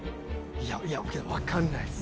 いや分かんないっす。